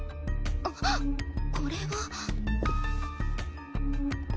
あっこれは。